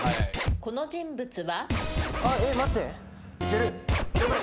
この人物は？